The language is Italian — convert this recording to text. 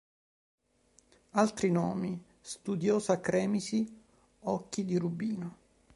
Altri nomi: Studiosa Cremisi, Occhi di Rubino.